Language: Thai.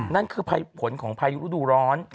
นั่นคือผลของพายุฤดูร้อน